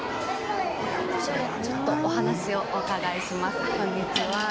ちょっとお話をお伺いしますこんにちは。